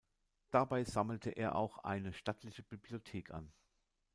Dabei sammelte er auch eine stattliche Bibliothek an.